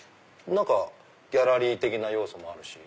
ギャラリー的な要素もあるし。